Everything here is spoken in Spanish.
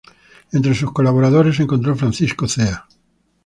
Entre sus colaboradores se encontró Francisco Zea.